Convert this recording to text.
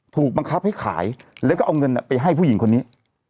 ถูกบังคับให้ขายแล้วก็เอาเงินไปให้ผู้หญิงคนนี้